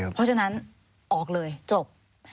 เพราะฉะนั้นออกเลยจบ